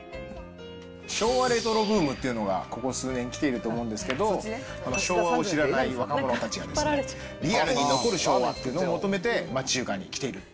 昭和レトロブームっていうのがここ数年、来ていると思うんですけど、昭和を知らない若者たちが、リアルに残る昭和っていうのを求めて町中華に来ている。